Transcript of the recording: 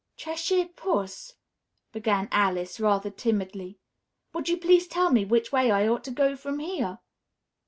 "Cheshire Puss," began Alice, rather timidly, "would you please tell me which way I ought to go from here?"